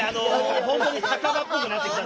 本当に酒場っぽくなってきた。